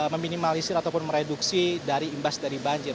meminimalisir ataupun mereduksi dari imbas dari banjir